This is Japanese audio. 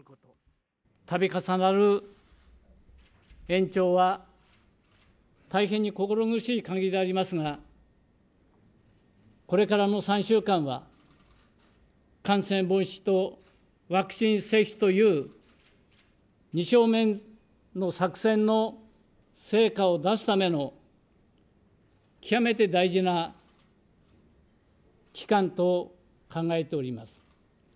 たび重なる延長は、大変に心苦しいかぎりでありますが、これからの３週間は、感染防止とワクチン接種という、２正面の作戦の成果を出すための極めて大事な期間と考えております。